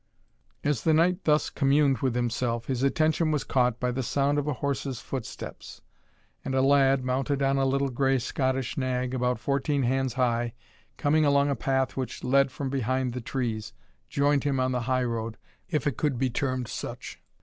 As the Knight thus communed with himself, his attention was caught by the sound of a horse's footsteps; and a lad, mounted on a little gray Scottish nag, about fourteen hands high, coming along a path which led from behind the trees, joined him on the high road, if it could be termed such.